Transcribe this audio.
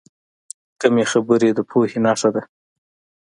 کمې خبرې، د پوهې نښه ده.